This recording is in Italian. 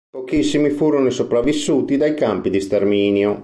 Pochissimi furono i sopravvissuti dai campi di sterminio.